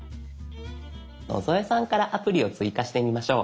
野添さんからアプリを追加してみましょう。